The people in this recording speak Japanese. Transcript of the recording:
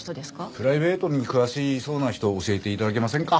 プライベートに詳しそうな人教えて頂けませんか？